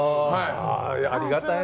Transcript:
ありがたいな。